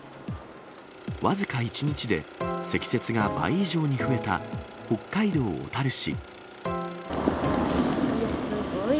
僅か１日で積雪が倍以上に増えた北海道小樽市。